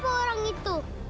siapa orang itu